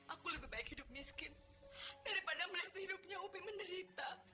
aku lebih baik hidup miskin daripada melihat hidupnya upi menderita